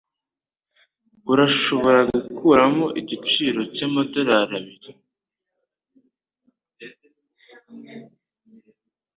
Urashobora gukuramo igiciro cyamadorari abiri?